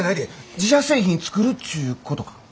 自社製品作るっちゅうことか？